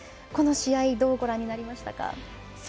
この試合どうご覧になりましたか。